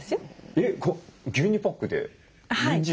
えっ牛乳パックでにんじんが？